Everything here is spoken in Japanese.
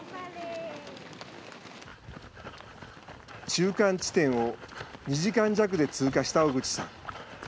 中間地点を２時間弱で通過した小口さん。